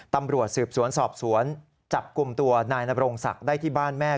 ตำรวจสืบสวนสอบสวนจับกลุ่มตัวนายนบรงศักดิ์ได้ที่บ้านแม่